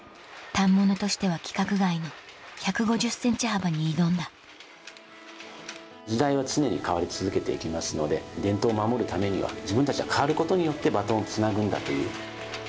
反物としては規格外の１５０ｃｍ幅に挑んだ時代は常に変わり続けて行きますので伝統を守るためには自分たちが変わることによってバトンをつなぐんだという。